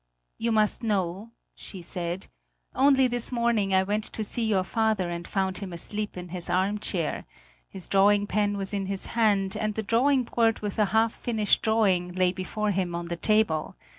"You must know," she said; "only this morning I went to see your father and found him asleep in his armchair; his drawing pen was in his hand and the drawing board with a half finished drawing lay before him on the table.